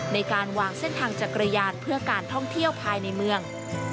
ในการวางเส้นทางจักรยานเพื่อการท่องเที่ยวภายในเมือง